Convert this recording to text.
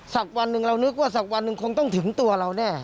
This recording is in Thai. สักวันหนึ่งเรานึกว่าสักวันหนึ่งคงต้องถึงตัวเราแน่